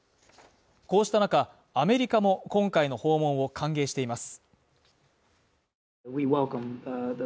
こうした中、アメリカも、今回の訪問を歓迎しています。